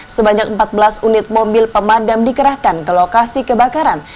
sebanyak empat belas unit mobil pemadam dikerahkan ke lokasi kebakaran